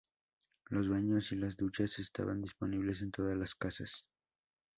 Los baños y las duchas estaban disponibles en todas las casas.